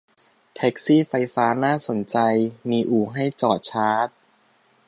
แท็กซี่ไฟฟ้าน่าสนใจ มีอู่ให้จอดชาร์จ